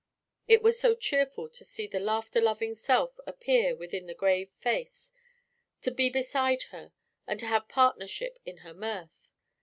It was so cheerful to see the laughter loving self appear within the grave face, to be beside her, and to have partnership in her mirth.